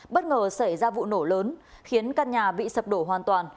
bất ngờ xảy ra vụ nổ lớn khiến căn nhà bị sập đổ hoàn toàn